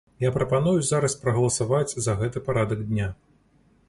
Я прапаную зараз прагаласаваць за гэты парадак дня.